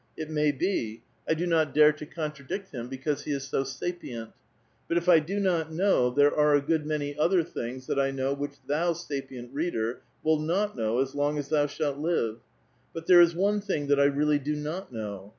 It may be ; H do not dare to contradict him, because he is so sapient. Dnt if I do not know, there are a good many other things "tiiat I know which thou, sapient reader, will not know, as long m» thou shalt live. But tliere is one thing that I really do not ^now.